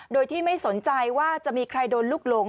โดยที่ไม่สนใจว่าจะมีใครโดนลูกหลง